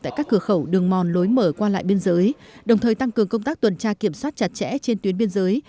tại các cửa khẩu đường mòn lối mở qua lại biên giới đồng thời tăng cường công tác tuần tra kiểm soát chặt chẽ trên tuyến biên giới